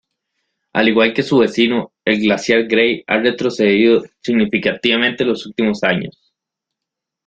Al igual que su vecino, el glaciar Grey, ha retrocedido significativamente los últimos años.